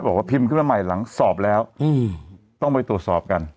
บอกว่าพิมพ์ขึ้นมาใหม่หลังสอบแล้วต้องไปตรวจสอบกัน